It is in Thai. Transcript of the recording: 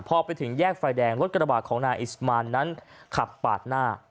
พอไปถึงแยกไฟแดงรถกระบาดของนายอิสมานนั้นขับปาดหน้า